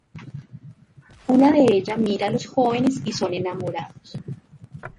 Una de ella mira a los jóvenes y son enamorados.